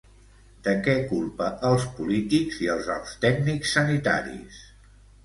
De què culpa als polítics i als alts tècnics sanitaris?